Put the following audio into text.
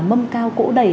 mâm cao cỗ đầy